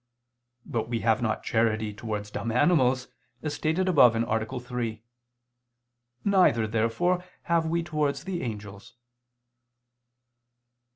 But we have not charity towards dumb animals, as stated above (A. 3). Neither, therefore, have we towards the angels.